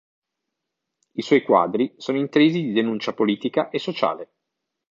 I suoi quadri sono intrisi di denuncia politica e sociale.